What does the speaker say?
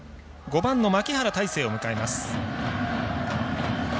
５番の牧原大成を迎えます。